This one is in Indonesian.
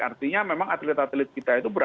artinya memang atlet atlet kita itu berada